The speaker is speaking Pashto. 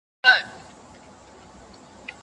د نړیوالو اړیکو په ترڅ کي د خلګو حقونه نه پلي کیږي.